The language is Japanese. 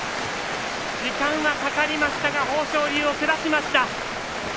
時間はかかりましたが豊昇龍を下しました。